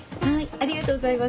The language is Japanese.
ありがとうございます。